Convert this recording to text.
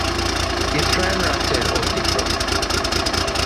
ইস্রায়েল রাষ্ট্রের অস্তিত্ব।